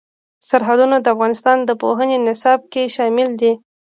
سرحدونه د افغانستان د پوهنې نصاب کې شامل دي.